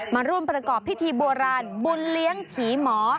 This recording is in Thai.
มาร่วมประกอบพิธีโบราณบุญเลี้ยงผีหมอ